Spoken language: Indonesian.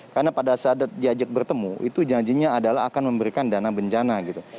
karena pada saat diajak bertemu itu janjinya adalah akan memberikan dana benjana gitu